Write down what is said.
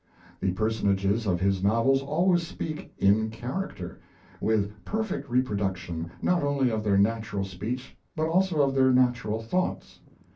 The personages of his novels always speak "in character" with perfect reproduction, not only of their natural speech, but also of their natural thoughts.